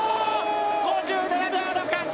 ５７秒６８！